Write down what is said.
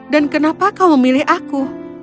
dan kenapa kau memilih aku